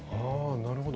なるほど。